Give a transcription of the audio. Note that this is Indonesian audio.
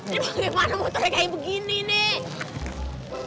ini bagaimana motornya kayak begini nih